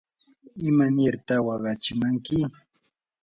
¿imanirta waqachimanki?